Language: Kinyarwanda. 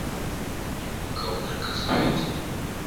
igihe umugabo nta kazi afite,